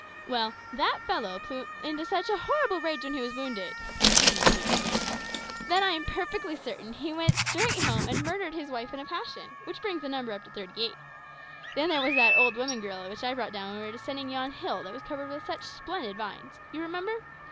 "Well, that fellow flew into such a horrible rage when he was wounded," continued Peterkin, "that I am perfectly certain he went straight home and murdered his wife in a passion; which brings up the number to thirty eight. Then there was that old woman gorilla that I brought down when we were descending yon hill that was covered with such splendid vines. You remember?